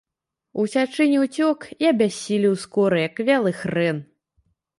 Уцячы не ўцёк і абяссілеў скора, як вялы хрэн.